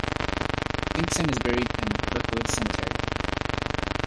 Inkson is buried in Brookwood Cemetery.